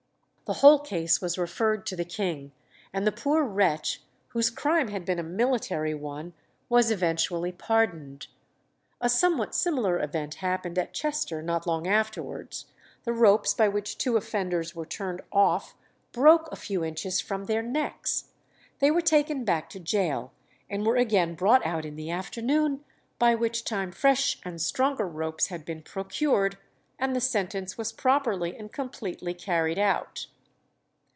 The whole case was referred to the king, and the poor wretch, whose crime had been a military one, was eventually pardoned. A somewhat similar event happened at Chester not long afterwards; the ropes by which two offenders were turned off broke a few inches from their necks. They were taken back to gaol, and were again brought out in the afternoon, by which time fresh and stronger ropes had been procured, and the sentence was properly and completely carried out.